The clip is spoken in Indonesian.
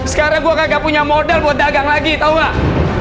sekarang gue gak punya modal buat dagang lagi tau gak